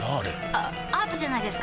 あアートじゃないですか？